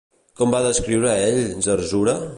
Com va descriure ell Zerzura?